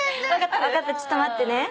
分かったちょっと待ってね。